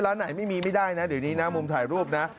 ร้านไหนไม่มีไม่ได้นะเดี๋ยวนี้นะมุมถ่ายรูปนะ